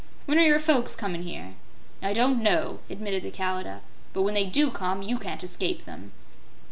When are your folks comin' here?" "I don't know," admitted the Kalidah. "But when they DO come, you can't escape them."